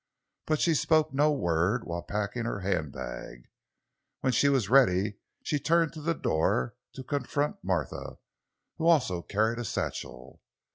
But she spoke no word while packing her handbag. When she was ready she turned to the door, to confront Martha, who also carried a satchel.